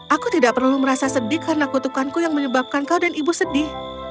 aku tidak perlu merasa sedih karena kutukanku yang menyebabkan kau dan ibu sedih